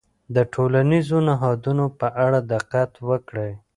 د ټولنیزو نهادونو په اړه دقت وکړئ.